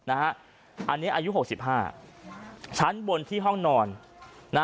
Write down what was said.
อันนี้อายุหกสิบห้าชั้นบนที่ห้องนอน